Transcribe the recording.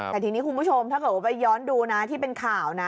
แต่ทีนี้คุณผู้ชมถ้าเกิดว่าไปย้อนดูนะที่เป็นข่าวนะ